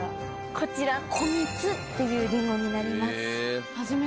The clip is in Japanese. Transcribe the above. こちら「こみつ」っていうリンゴになります。